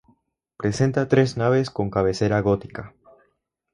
Presenta tres naves con cabecera gótica.